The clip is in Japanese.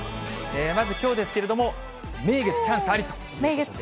まずきょうですけれども、名月チャンス。